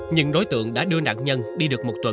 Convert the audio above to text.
nhưng đối tượng đã đưa nạn nhân đi được một tuần